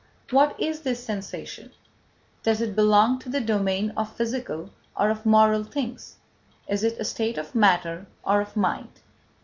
What is this sensation? Does it belong to the domain of physical or of moral things? Is it a state of matter or of mind?